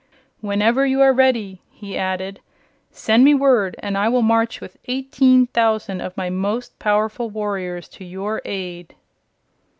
"Whenever you are ready," he added, "send me word and I will march with eighteen thousand of my most powerful warriors to your aid."